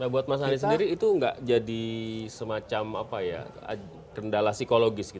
nah buat mas sandiaga sendiri itu tidak jadi semacam gendala psikologis